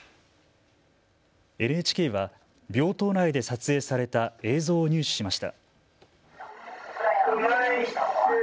ＮＨＫは病棟内で撮影された映像を入手しました。